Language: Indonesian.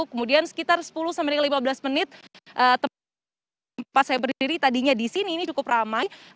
kemudian sekitar sepuluh sampai lima belas menit tempat saya berdiri tadinya di sini ini cukup ramai